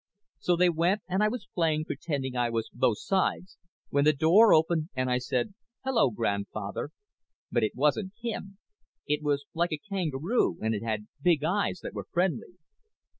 So they went and I was playing pretending I was both sides when the door opened and I said Hello Grandfather but it wasn't him it was like a kangaroo and it had big eyes that were friendly.